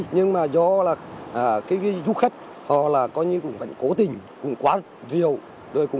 nhưng do du khách cũng cố tình quá nhiều